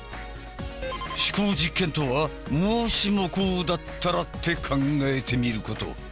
思考実験とは「もしもこうだったら」って考えてみること。